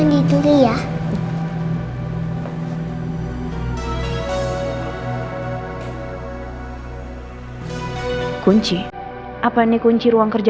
ini ada kunci ma di kamar mandi oma